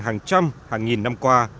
hàng trăm hàng nghìn năm qua